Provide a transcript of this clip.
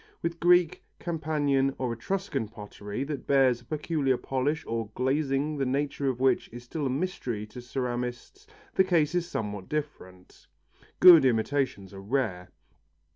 With Greek, Campanian or Etruscan pottery that bears a peculiar polish or glazing the nature of which is still a mystery to ceramists the case is somewhat different; good imitations are rare.